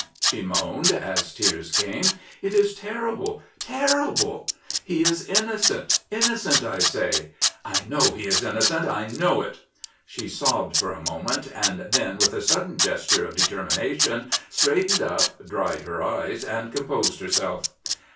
she moaned, as tears came. "It is terrible, terrible! He is innocent, innocent I say! I know he is innocent! I know it!" She sobbed for a moment, and then, with a sudden gesture of determination, straightened up, dried her eyes, and composed herself.